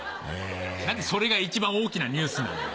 何でそれが一番大きなニュースなんだよ。